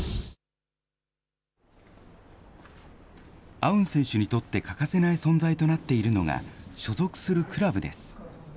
アウン選手にとって欠かせない存在となっているのが、所属するクラブです。